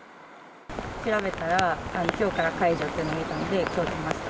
調べたら、きょうから解除っての見たので、きょう来ました。